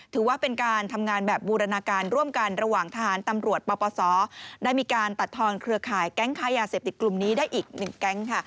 ถือว่าเป็นการทำงานแบบบูรณาการร่วมกันระหว่างทหารตำรวจปปศได้มีการตัดทอนเครือข่ายแก๊งค้ายาเสพติดกลุ่มนี้ได้อีกหนึ่งแก๊งค่ะ